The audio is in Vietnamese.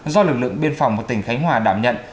do lực lượng biên phòng của tỉnh khánh hòa đảm nhận